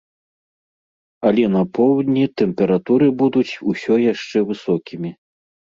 Але на поўдні тэмпературы будуць усё яшчэ высокімі.